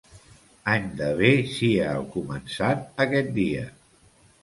Any de bé sia el començat aquest dia.